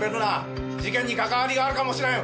事件にかかわりがあるかもしれん。